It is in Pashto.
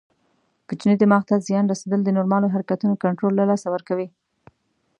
کوچني دماغ ته زیان رسېدل د نورمالو حرکتونو کنټرول له لاسه ورکوي.